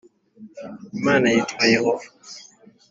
Imana yitwa Yehova